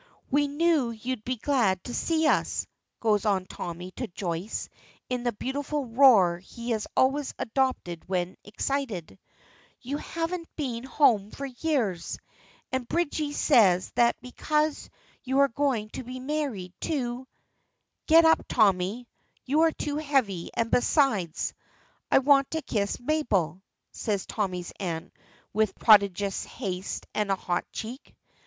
"We knew you'd be glad to see us," goes on Tommy to Joyce in the beautiful roar he always adopts when excited; "you haven't been home for years, and Bridgie says that's because you are going to be married to " "Get up, Tommy, you are too heavy, and, besides, I want to kiss Mabel," says Tommy's aunt with prodigious haste and a hot cheek.